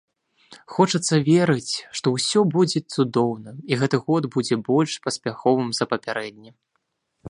Хочацца верыць, што ўсё будзе цудоўна, і гэты год будзе больш паспяховым за папярэдні.